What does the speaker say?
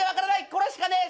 これしかねえ。